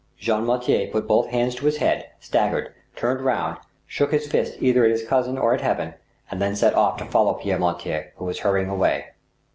Jean Mortier put both hands to his head, staggered, turned round, shook his fist either at his cousin or at Heaven, and then set off to follow Pierre Mortier, who was hurrying away.